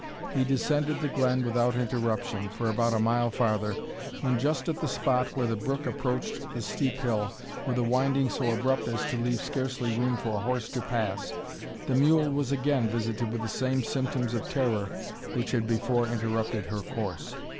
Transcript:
He descended the glen without interruption for about a mile farther, when, just at the spot where the brook approached the steep hill, with a winding so abrupt as to leave scarcely room for a horse to pass, the mule was again visited with the same symptoms of terror which had before interrupted her course.